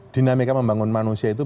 dinamika membangun manusia itu